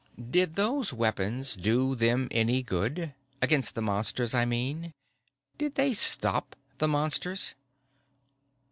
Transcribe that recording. "Did those weapons do them any good? Against the Monsters, I mean. Did they stop the Monsters?"